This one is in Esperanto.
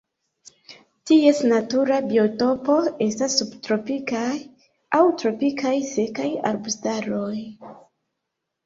Ties natura biotopo estas subtropikaj aŭ tropikaj sekaj arbustaroj.